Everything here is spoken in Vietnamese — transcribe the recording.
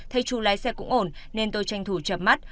thấy chú lái xe cũng ổn nên tôi tranh thủ chậm mắt